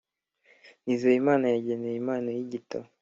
nizeyimana yageneye impano y’ibitabo